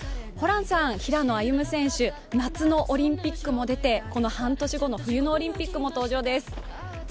ホランさん、平野歩夢選手、夏のオリンピックも出てこの半年後の冬のオリンピックも登場です。